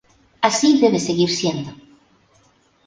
Así debe seguir siendo.